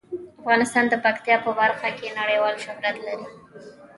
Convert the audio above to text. افغانستان د پکتیا په برخه کې نړیوال شهرت لري.